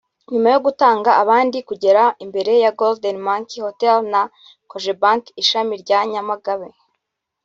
nyuma yo gutanga abandi kugera imbere ya Golden Monkey Hotel na Cogebanque ishami rya Nyamagabe